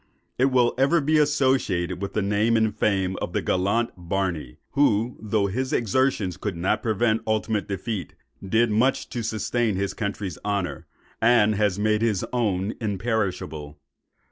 It will ever be associated with the name and fame of the gallant Barney, who, though his exertions could not prevent ultimate defeat, did much to sustain his country's honour, and has made his own imperishable.